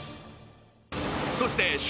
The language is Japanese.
［そして笑